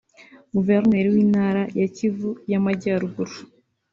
Guverineri w’Intara ya Kivu y’Amajyaruguru